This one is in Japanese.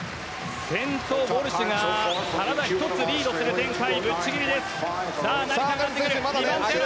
先頭ウォルシュが体１つリードする展開。